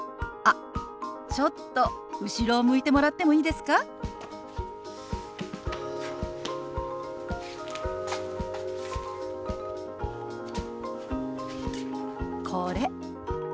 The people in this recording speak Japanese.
あちょっと後ろを向いてもらってもいいですか？これ。